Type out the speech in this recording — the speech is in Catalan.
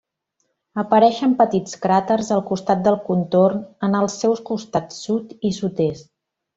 Apareixen petits cràters al costat del contorn en els seus costats sud i sud-est.